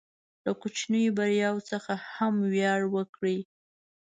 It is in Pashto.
له کوچنیو بریاوو څخه هم ویاړ وکړئ.